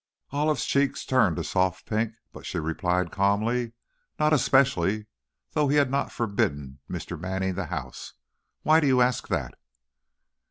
Olive's cheeks turned a soft pink, but she replied calmly. "Not especially, though he had not forbidden Mr. Manning the house. Why do you ask that?"